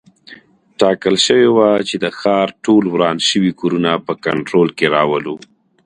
ټاکل شوي وه چې د ښار ټول وران شوي کورونه په کنټرول کې راولو.